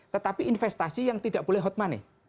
tetapi investasi yang tidak boleh hot money